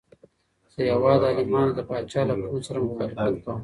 د هیواد عالمانو د پاچا له کړنو سره مخالفت کاوه.